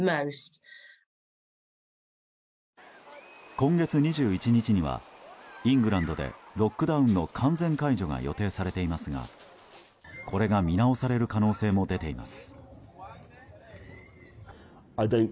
今月２１日にはイングランドで、ロックダウンの完全解除が予定されていますがこれが見直される可能性も出ています。